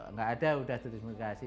nggak ada sudah diskriminasi